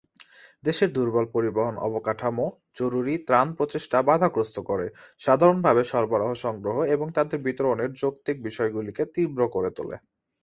দেশের দুর্বল পরিবহন অবকাঠামো জরুরি ত্রাণ প্রচেষ্টা বাধাগ্রস্ত করে, সাধারণভাবে সরবরাহ সংগ্রহ এবং তাদের বিতরণের যৌক্তিক বিষয়গুলিকে তীব্র করে তোলে।